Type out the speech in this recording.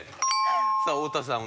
さあ太田さん